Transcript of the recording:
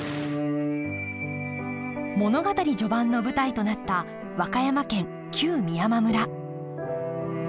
物語序盤の舞台となった和歌山県旧美山村。